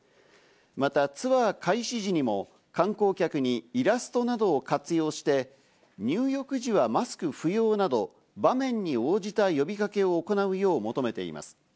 またツアー開始時にも観光客にイラストなどを活用して入浴時はマスク不要など場面に応じた呼びかけを行うよう求めています。